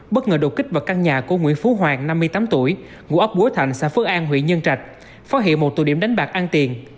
bất ngờ đột kích vào căn nhà của nguyễn phú hoàng năm mươi tám tuổi ngũ ốc búa thành xã phước an huyện dân trạch phát hiện một tù điểm đánh bạc an tiền